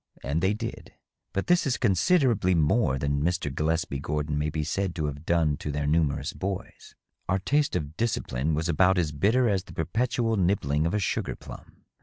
And they did ; but this is considerably more than Mr. Gillespie Gordon may be said to have done to their numerous boys. Our taste of discipline was about as bitter as the perpetual nibbling of a sugar plum.